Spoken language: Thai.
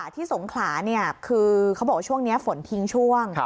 สงขลาคือเขาบอกว่าช่วงนี้ฝนทิ้งช่วง